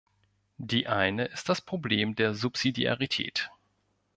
Die eine ist das Problem der Subsidiarität.